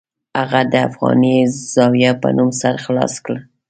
هغه د افغانیه زاویه په نوم سر خلاص کړ.